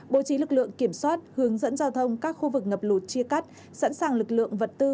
bố trí lực lượng kiểm soát hướng dẫn giao thông các khu vực ngập lụt chia cắt sẵn sàng lực lượng vật tư